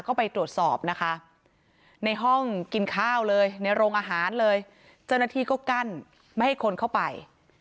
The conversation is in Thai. ไปตรวจสอบนะคะในห้องกินข้าวเลยในโรงอาหารเลยเจ้าหน้าที่ก็กั้นไม่ให้คนเข้าไป